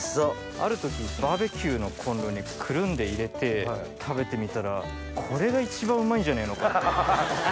ある時バーベキューのコンロにくるんで入れて食べてみたらこれが一番うまいんじゃねえのか。